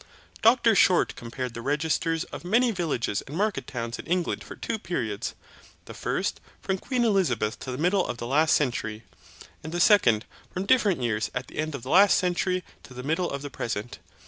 Dr Short compared the registers of many villages and market towns in England for two periods; the first, from Queen Elizabeth to the middle of the last century, and the second, from different years at the end of the last century to the middle of the present.